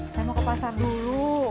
saya mau ke pasar dulu